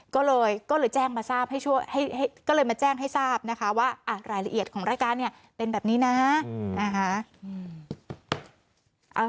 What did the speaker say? ก็เลยแจ้งมาแจ้งให้ทราบนะคะว่ารายละเอียดของรายการเนี่ยเป็นแบบนี้นะ